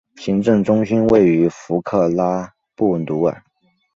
行政中心位于弗克拉布鲁克。